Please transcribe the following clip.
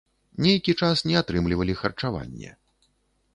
Нейкі час не атрымлівалі харчаванне.